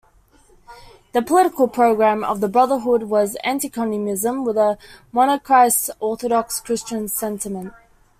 The political program of the Brotherhood was anti-communism with a monarchist, Orthodox Christian sentiment.